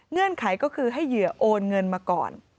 ไขก็คือให้เหยื่อโอนเงินมาก่อน